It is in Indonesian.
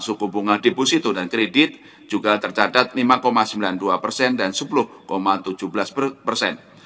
suku bunga deposito dan kredit juga tercatat lima sembilan puluh dua persen dan sepuluh tujuh belas persen